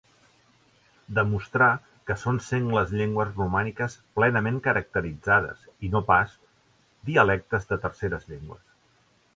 Demostrà que són sengles llengües romàniques plenament caracteritzades, i no pas dialectes de terceres llengües.